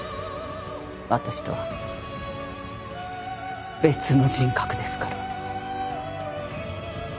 私とは別の人格ですから。